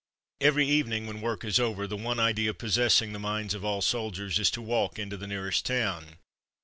*' Every evening, when work is over, the one idea possessing the minds of all soldiers is to walk into the nearest town.